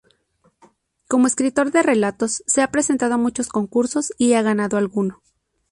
Como escritor de relatos se ha presentado a muchos concursos y ha ganado alguno.